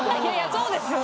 そうですよね。